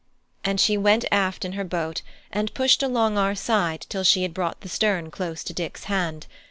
And she went aft in her boat and pushed along our side till she had brought the stern close to Dick's hand.